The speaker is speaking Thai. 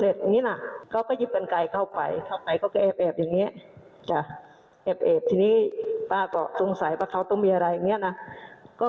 เหมือนกับเคยได้บังข่าวว่าเขาจะฆ่าอะไรแบบเนี้ยเนี้ยนะคะ